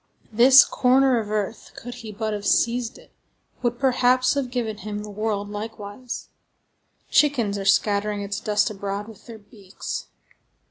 This corner of earth, could he but have seized it, would, perhaps, have given him the world likewise. Chickens are scattering its dust abroad with their beaks.